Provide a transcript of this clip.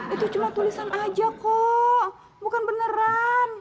itu cuma tulisan aja kok bukan beneran